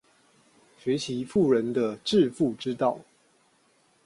學習富人的致富之道